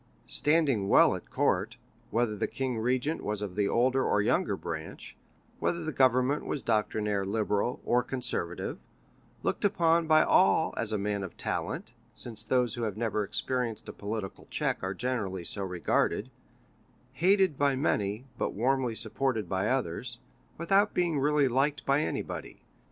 Standing well at court, whether the king regnant was of the older or younger branch, whether the government was doctrinaire liberal, or conservative; looked upon by all as a man of talent, since those who have never experienced a political check are generally so regarded; hated by many, but warmly supported by others, without being really liked by anybody, M.